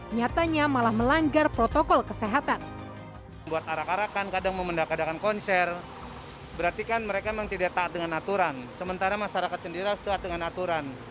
nyatanya malah melanggar protokol kesehatan